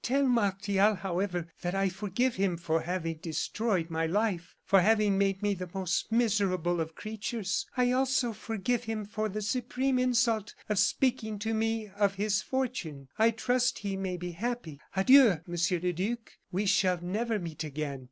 Tell Martial, however, that I forgive him for having destroyed my life, for having made me the most miserable of creatures. I also forgive him for the supreme insult of speaking to me of his fortune. I trust he may be happy. Adieu, Monsieur le Duc, we shall never meet again.